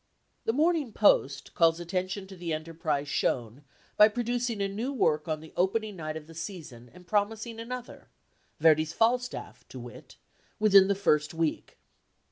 The Morning Post calls attention to the enterprise shown by producing a new work on the opening night of the season and promising another Verdi's Falstaff to wit within the first week.